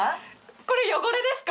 これ汚れですか？